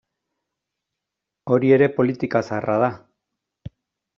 Hori ere politika zaharra da.